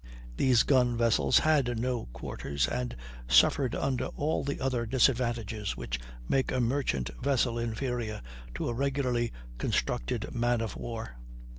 These gun vessels had no quarters, and suffered under all the other disadvantages which make a merchant vessel inferior to a regularly constructed man of war.